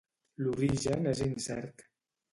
L'origen és incert.